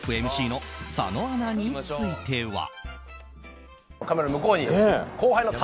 ＭＣの佐野アナについては。